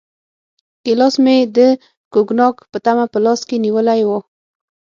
ګیلاس مې د کوګناک په تمه په لاس کې نیولی و.